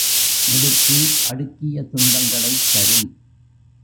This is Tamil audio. மிடுக்கு அடுக்கிய துன்பங்களைத் தரும்.